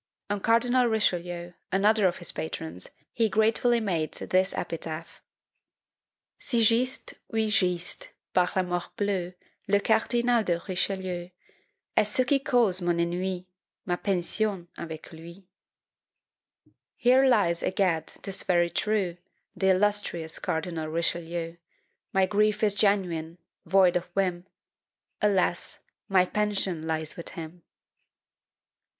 On Cardinal Richelieu, another of his patrons, he gratefully made this epitaph: Cy gist, ouy gist, par la mort bleu, Le Cardinal de Richelieu, Et ce qui cause mon ennuy Ma PENSION avec lui. Here lies, egad, 'tis very true, The illustrious Cardinal Richelieu: My grief is genuine void of whim! Alas! my pension lies with him!